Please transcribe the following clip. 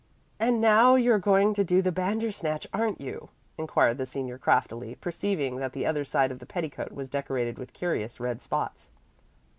"And now you're going to do the Bandersnatch, aren't you?" inquired the senior craftily, perceiving that the other side of the petticoat was decorated with curious red spots.